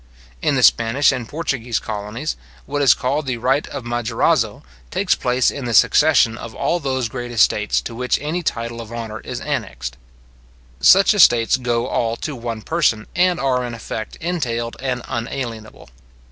In the Spanish and Portuguese colonies, what is called the right of majorazzo takes place in the succession of all those great estates to which any title of honour is annexed. Such estates go all to one person, and are in effect entailed and unalienable.